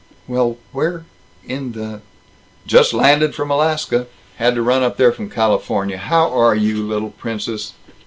"Well where in the " "Just landed from Alaska. Had to run up there from California. How are you, little princess?"